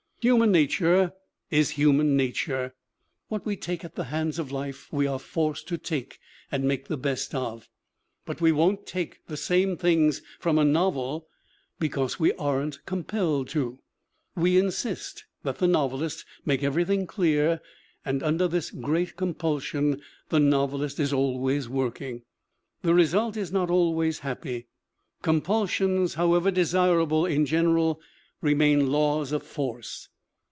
Human nature is human nature ; what we take at the hands of life we are forced to take and make the best of; but we won't take the same things from a novel because we aren't compelled to. We in sist that the novelist make everything clear and under this great compulsion the novelist is always working. The result is not always happy. Compulsions, how ever desirable in general, remain laws of force.